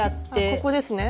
ここですね？